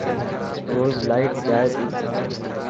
روز لائٽ جائي تي.